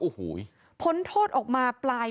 อู้หูย